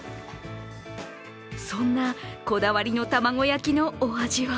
そんなこだわりの玉子焼きのお味は？